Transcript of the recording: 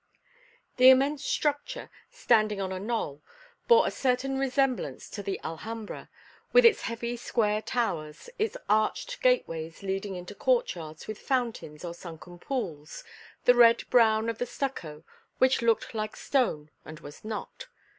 The immense structure, standing on a knoll, bore a certain resemblance to the Alhambra, with its heavy square towers; its arched gateways leading into courtyards with fountains or sunken pools, the red brown of the stucco which looked like stone and was not.